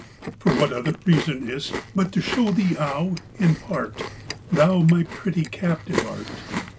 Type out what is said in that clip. For what other reason is't, But to shew thee how in part Thou my pretty captive art?